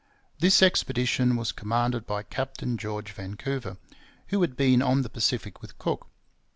This expedition was commanded by Captain George Vancouver, who had been on the Pacific with Cook.